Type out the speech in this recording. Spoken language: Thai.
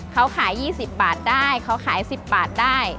เขาขาย๒๐บาทได้เขาขาย๑๐บาทได้